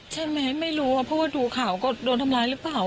ไม่รู้ว่าเพราะว่าดูข่าวก็โดนทำร้ายหรือเปล่า